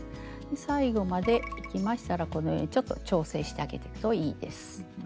最後までいきましたらこのようにちょっと調整してあげるといいです。